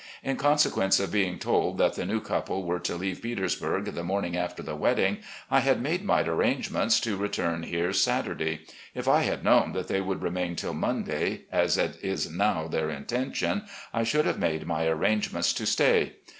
In consequence of being told that the new couple were to leave Peters burg the morning after the wedding, I had made my arrangements to return here Saturday. If I had known that they would remain till Monday, as it is now their intention, I should have made my arrangements to stay.